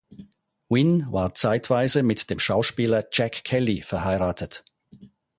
Wynn war zeitweise mit dem Schauspieler Jack Kelly verheiratet.